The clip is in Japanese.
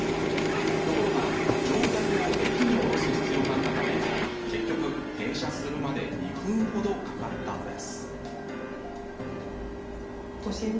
ところが乗客を駅に降ろす必要があったため結局、停車するまで２分ほど、かかったのです。